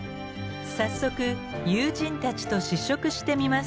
早速友人たちと試食してみます。